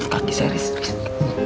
kaki saya riset